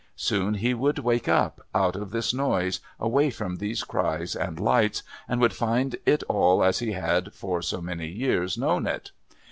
Soon he would wake up, out of this noise, away from these cries and lights, and would find it all as he had for so many years known it.